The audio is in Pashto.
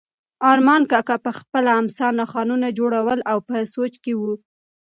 ارمان کاکا په خپله امسا نښانونه جوړول او په سوچ کې و.